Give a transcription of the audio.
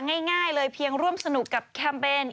ง่ายเลยเพียงร่วมสนุกกับแคมเปญ